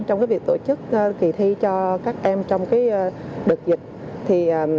trong việc tổ chức kỳ thi cho các em trong đợt dịch